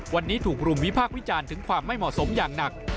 วันนี้ถูกรุมวิพากษ์วิจารณ์ถึงความไม่เหมาะสมอย่างหนัก